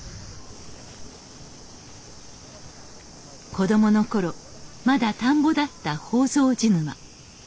子どもの頃まだ田んぼだった宝蔵寺沼。